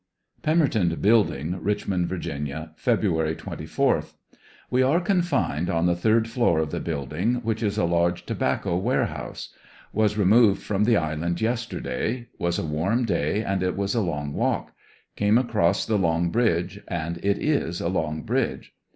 Pemerton Building, Richmond, Va., Feb, 24. — We are con fined on the third floor of the building, which is a large tobacco warehouse. Was removed from the island yesterday. Was a warm day and it was along walk. Came across the "long bridge," and it is a long bridge.